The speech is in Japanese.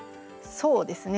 そうですね。